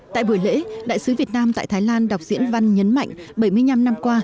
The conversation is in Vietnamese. tại buổi lễ đại sứ việt nam tại thái lan đọc diễn văn nhấn mạnh bảy mươi năm năm qua